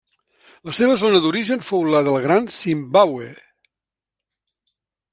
La seva zona d'origen fou la del Gran Zimbàbue.